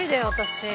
私。